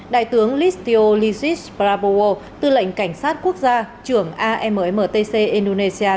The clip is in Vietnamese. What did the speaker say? đại tướng listio lisis prabowo tư lệnh cảnh sát quốc gia trưởng ammtc indonesia